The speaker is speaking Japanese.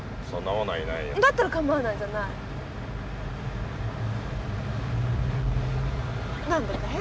そんなものはいないよ。